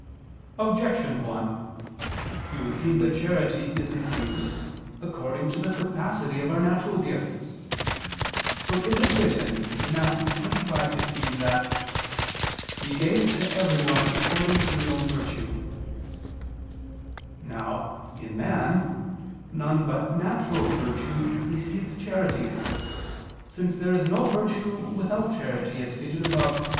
Objection 1: It would seem that charity is infused according to the capacity of our natural gifts. For it is written (Matt. 25:15) that "He gave to every one according to his own virtue [Douay: 'proper ability']." Now, in man, none but natural virtue precedes charity, since there is no virtue without charity, as stated above (Q.